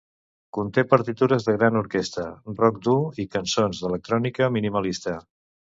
Conté partitures de gran orquestra, rock dur i cançons d'electrònica minimalista.